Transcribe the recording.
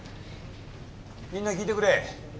みんな聞いてくれ。